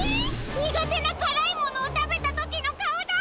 にがてなからいものをたべたときのかおだ！